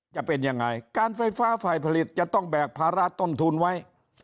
จะเป็นยังไงการไฟฟ้าฝ่ายผลิตจะต้องแบกภาระต้นทุนไว้